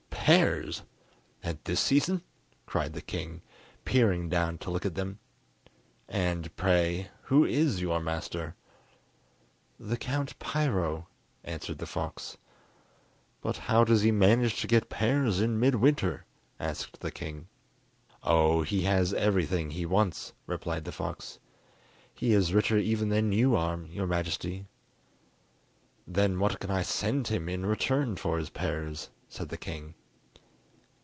"Pears! at this season?" cried the king, peering down to look at them; "and, pray, who is your master?" "The Count Piro," answered the fox. "But how does he manage to get pears in midwinter?" asked the king. "Oh, he has everything he wants," replied the fox; "he is richer even than you are, your Majesty." "Then what can I send him in return for his pears?" said the king.